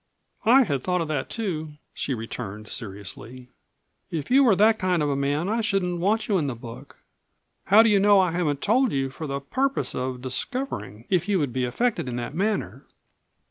"I had thought of that, too," she returned seriously. "If you were that kind of a man I shouldn't want you in the book. How do you know that I haven't told you for the purpose of discovering if you would be affected in that manner?"